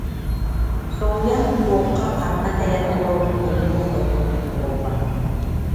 Соһуйан, туохха, ханна кэлэн олорорун умнуох да курдук буолла